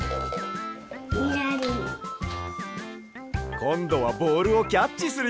こんどはボールをキャッチするよ。